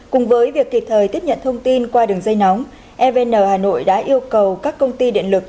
cùng với việc kịp thời tiếp nhận thông tin qua đường dây nóng evn hà nội đã yêu cầu các công ty điện lực